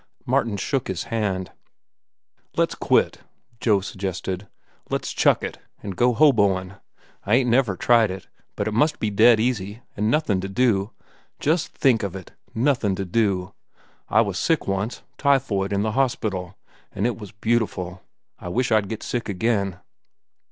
Martin shook his hand. "Let's quit," Joe suggested. "Let's chuck it, an' go hoboin'. I ain't never tried it, but it must be dead easy. An' nothin' to do. Just think of it, nothin' to do. I was sick once, typhoid, in the hospital, an' it was beautiful. I wish I'd get sick again."